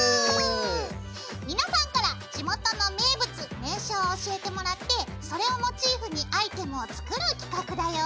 皆さんから地元の名物名所を教えてもらってそれをモチーフにアイテムを作る企画だよ！